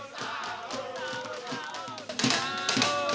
sahur sahur sahur sahur